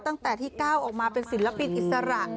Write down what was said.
ตั้งแต่ที่ก้าวออกมาเป็นศิลปินอิสระ